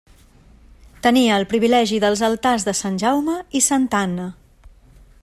Tenia el privilegi dels altars de Sant Jaume i Santa Anna.